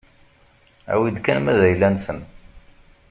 Awi-d kan ma d ayla-nsen.